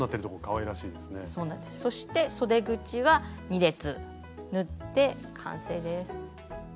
そしてそで口は２列縫って完成です。